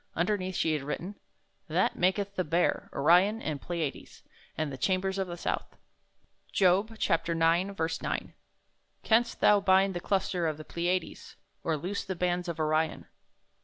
Un derneath she had written : That maketh the Bear, Orion, and Pleiades, And the chambers of the south. Job 9: 9. Canst thou bind the cluster of the Pleiades, Or loose the bands of Orion?